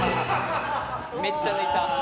めっちゃ抜いた。